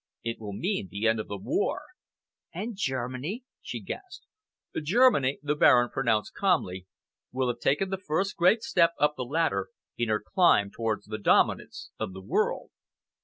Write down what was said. It will mean the end of the war." "And Germany?" she gasped. "Germany," the Baron pronounced calmly, "will have taken the first great step up the ladder in her climb towards the dominance of the world."